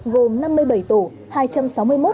gồm năm mươi bảy tổ